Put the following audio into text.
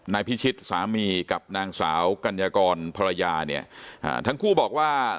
นายพิชิตสามีกับนางสาวกัญญากรภรรยาเนี่ยทั้งคู่บอกว่า